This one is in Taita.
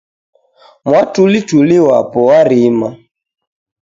Mwatulituli wapu warima..